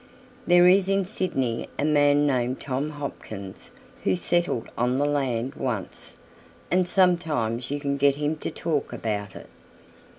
There is in Sydney a man named Tom Hopkins who settled on the land once, and sometimes you can get him to talk about it.